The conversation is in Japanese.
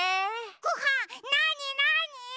ごはんなになに？